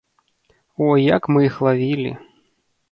О, як мы іх лавілі!